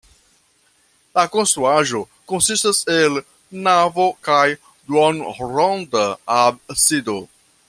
La konstruaĵo konsistas el navo kaj duonronda absido.